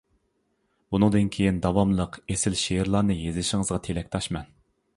بۇنىڭدىن كېيىن داۋاملىق ئېسىل شېئىرلارنى يېزىشىڭىزغا تىلەكداشمەن.